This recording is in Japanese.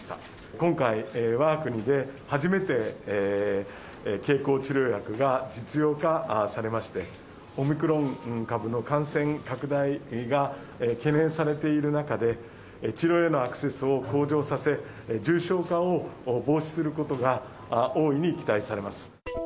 今回、わが国で初めて経口治療薬が実用化されまして、オミクロン株の感染拡大が懸念されている中で、治療へのアクセスを向上させ、重症化を防止することが大いに期待されます。